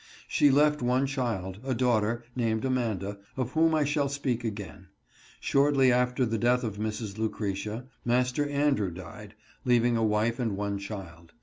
She left one child, a daughter, named Amanda, of whom I shall speak again. Shortly after the death of Mrs. Lucretia, Master Andrew died, leaving a wife and one child.